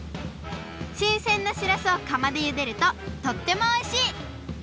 しんせんなしらすをかまでゆでるととってもおいしい！